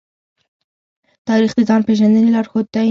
تاریخ د ځان پېژندنې لارښود دی.